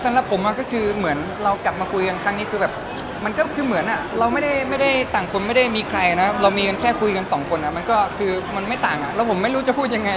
สำหรับผมก็คือเหมือนเรากลับมาคุยกันครั้งนี้คือแบบมันก็คือเหมือนเราไม่ได้ต่างคนไม่ได้มีใครนะเรามีกันแค่คุยกันสองคนมันก็คือมันไม่ต่างแล้วผมไม่รู้จะพูดยังไง